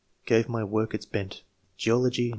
gave my work its bent. Geology.